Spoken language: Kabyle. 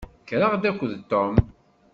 Kkreɣ-d akked Tom.